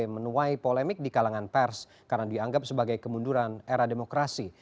menuai polemik di kalangan pers karena dianggap sebagai kemunduran era demokrasi